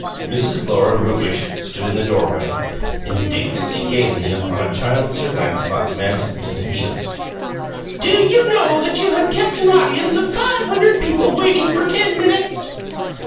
Mrs. Lora Rewbush stood in the doorway, indignantly gazing upon a Child Sir Lancelot mantled to the heels. "Do you know that you have kept an audience of five hundred people waiting for ten minutes?"